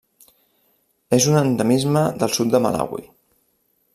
És un endemisme del sud de Malawi.